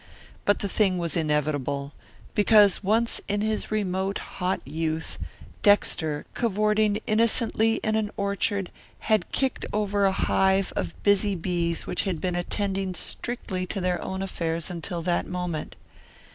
But the thing was inevitable, because once in his remote, hot youth Dexter, cavorting innocently in an orchard, had kicked over a hive of busy bees which had been attending strictly to their own affairs until that moment.